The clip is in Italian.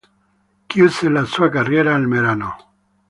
Chiuse la sua carriera al Merano.